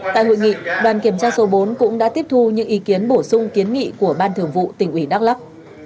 tại hội nghị đoàn kiểm tra số bốn cũng đã tiếp thu những ý kiến bổ sung kiến nghị của ban thường vụ tỉnh ủy đắk lắc